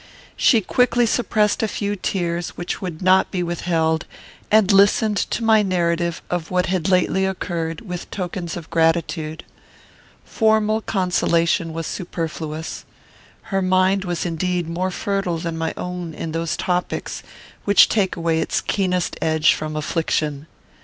She quickly suppressed a few tears which would not be withheld, and listened to my narrative of what had lately occurred, with tokens of gratitude. Formal consolation was superfluous. Her mind was indeed more fertile than my own in those topics which take away its keenest edge from affliction.